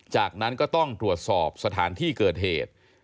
จากนั้นก็ต้องตรวจสอบสถานที่เกิดเหตุ